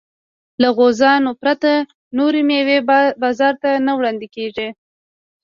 له غوزانو پرته نورې مېوې بازار ته نه وړاندې کېږي.